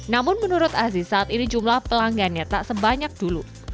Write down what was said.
namun menurut aziz saat ini jumlah pelanggannya tak sebanyak dulu